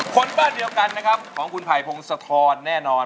คนบ้านเดียวกันนะครับของคุณไผ่พงศธรแน่นอน